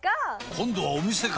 今度はお店か！